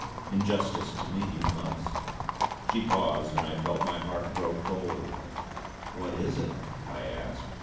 In justice to me you must." She paused and I felt my heart grow cold. "What is it?" I asked.